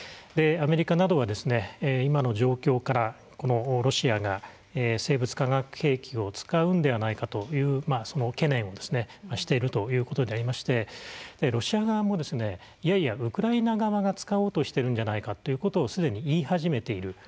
アメリカなどは、今の状況からこのロシアが生物化学兵器を使うのではないかというその懸念をしているということでありましてロシア側も、いやいやウクライナ側が使おうとしてるんじゃないかということをすでに言い始めている。